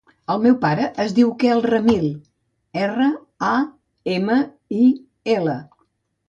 El meu pare es diu Quel Ramil: erra, a, ema, i, ela.